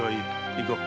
行こう。